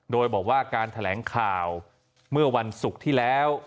โดยบอกว่าการแถลงข่าวเมื่อวันศุกร์ที่แล้ว